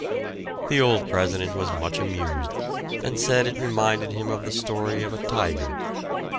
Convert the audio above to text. The old President was much amused, and said it reminded him of the story of a tiger.